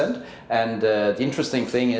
dan hal yang menarik